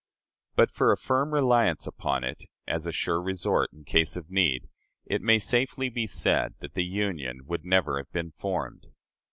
But for a firm reliance upon it, as a sure resort in case of need, it may safely be said that the Union would never have been formed.